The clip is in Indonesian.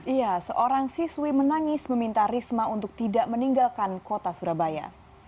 iya seorang siswi menangis meminta risma untuk tidak meninggalkan kota surabaya